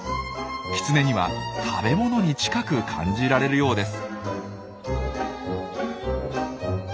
キツネには食べ物に近く感じられるようです。